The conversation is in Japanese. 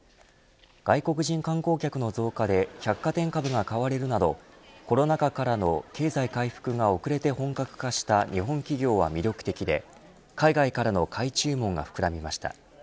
外国人観光客の増加で百貨店株が買われるなどコロナ禍からの経済回復が遅れて本格化した日本企業は魅力的で海外からの買い注文が膨らみました。